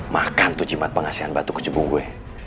makan tuh cimat pengasihan batuk kejubung gue